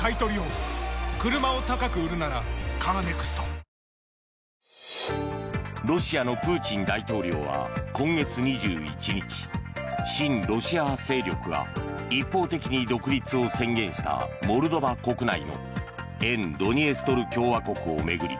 こうした状況のモルドバに対してロシアのプーチン大統領は今月２１日親ロシア派勢力が一方的に独立を宣言したモルドバ国内の沿ドニエストル共和国を巡り